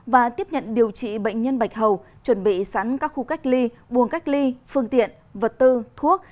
và tiếp nhận điều trị bệnh nhân bạch hầu chuẩn bị sẵn các khu cách ly buồng cách ly phương tiện vật tư thuốc